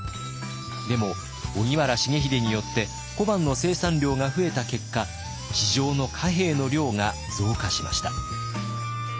でも荻原重秀によって小判の生産量が増えた結果市場の貨幣の量が増加しました。